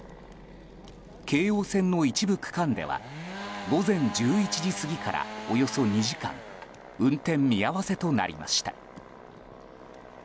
京王線の一部区間では午前１１時過ぎからおよそ２時間運転見合わせとなりました。